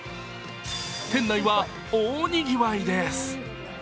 店内は大にぎわいです。